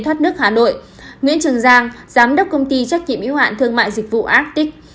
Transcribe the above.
hà nội nguyễn trường giang giám đốc công ty trách nhiệm hiếu hạn thương mại dịch vụ astic